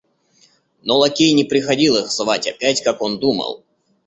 Но лакей не приходил их звать опять, как он думал.